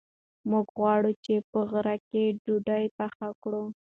موږ غواړو چې په غره کې ډوډۍ پخه کړو.